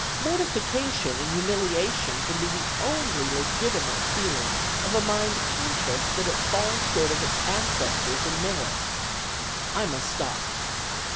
Mortification and humiliation can be the only legitimate feelings of a mind conscious that it falls short of its ancestors in merit. I must stop."